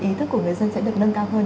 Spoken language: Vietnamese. ý thức của người dân sẽ được nâng cao hơn